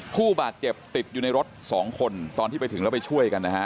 ผู้บาดเจ็บติดอยู่ในรถสองคนตอนที่ไปถึงแล้วไปช่วยกันนะฮะ